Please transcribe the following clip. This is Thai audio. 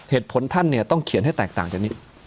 ท่านเนี่ยต้องเขียนให้แตกต่างจากนี้